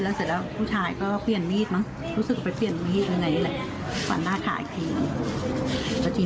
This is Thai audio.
แล้วเสร็จแล้วผู้ชายก็เพียงมีดรู้สึกไปเปลี่ยนมีดหรือยังไงแหละก่อนหน้าถ่ายอีกที